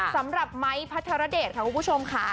สำหรับไม้พัทรเดชค่ะคุณผู้ชมค่ะ